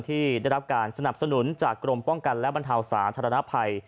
ที่ได้รับการสนับสนุนจากกรมป้องกันและบรรเทาสาธารณภัย